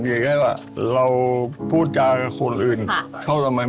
อืมอืมอืมอืมอืมอืมอืมอืมอืมอืม